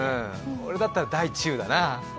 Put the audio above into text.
俺だったら大・中だな。